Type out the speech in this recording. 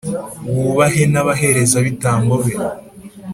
wubahe n’abaherezabitambo be